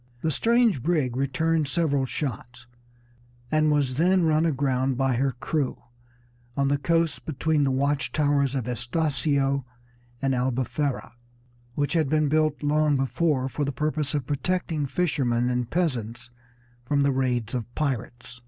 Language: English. The strange brig returned several shots, and was then run aground by her crew on the coast between the watch towers of Estacio and Albufera, which had been built long before for the purpose of protecting fishermen and peasants from the raids of pirates.